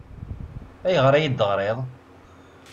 Ayɣer ay iyi-d-teɣriḍ?